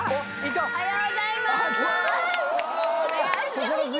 おはようございまーす。